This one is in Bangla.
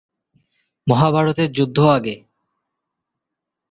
মহাভারতের যুগের আগে।